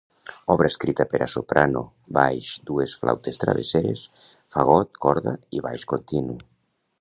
Obra escrita per a soprano, baix, dues flautes travesseres, fagot, corda i baix continu.